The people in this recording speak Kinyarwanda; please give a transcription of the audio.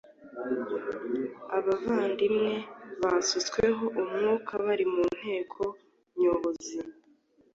Abavandimwe basutsweho umwuka bari mu Nteko Nyobozi